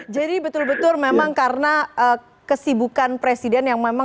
jadi betul betul memang karena kesibukan presiden yang memang lagi